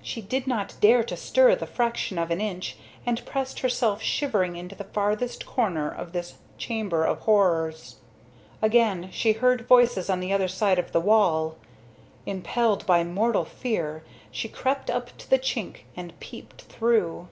She did not dare to stir the fraction of an inch and pressed herself shivering into the farthest corner of this chamber of horrors. Again she heard voices on the other side of the wall. Impelled by mortal fear, she crept up to the chink and peeped through.